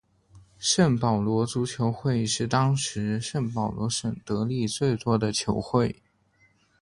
圣保罗足球会是当时圣保罗省得利最多的球会。